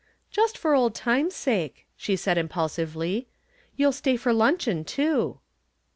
"Just for old time's sake," she said impulsively. "You'll stay for luncheon, too."